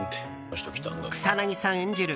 草なぎさん演じる